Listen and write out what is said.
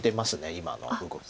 今の動き。